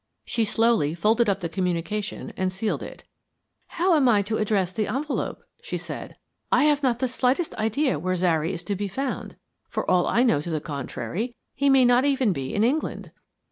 She slowly folded up the communication and sealed it. "How am I to address the envelope?" she said. "I have not the slightest idea where Zary is to be found. For all I know to the contrary, he may not even be in England."